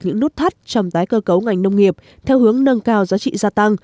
những nút thắt trong tái cơ cấu ngành nông nghiệp theo hướng nâng cao giá trị gia tăng